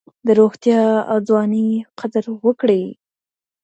د روغتیا او ځوانۍ قدر وکړئ.